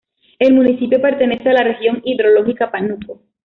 El municipio pertenece a la región hidrológica Panuco.